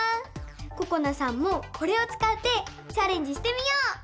ここなさんもこれをつかってチャレンジしてみよう！